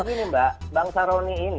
nah karena ini mbak bang saroni ini